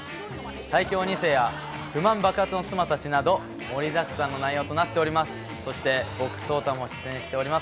最強２世や不満爆発の妻たちなど、盛りだくさんの内容となっております。